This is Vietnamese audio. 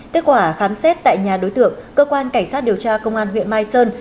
kết quả khám xét tại nhà đối tượng cơ quan cảnh sát điều tra công an huyện mai sơn